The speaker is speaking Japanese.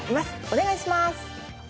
お願いします。